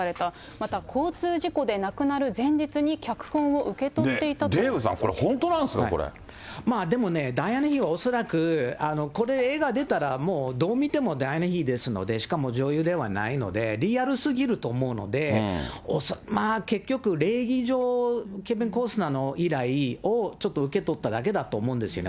また交通事故で亡くなる前日に脚デーブさん、これ、本当なんですか、でもね、ダイアナ妃は恐らく、これ、映画出たら、もうどう見てもダイアナ妃ですので、しかも女優ではないので、リアルすぎると思うので、恐らくまあ、結局、礼儀上、ケビン・コスナーの依頼をちょっと受け取っただけだと思うんですよね。